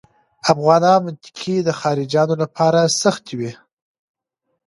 افغانانو منطقې د خارجیانو لپاره سختې وې.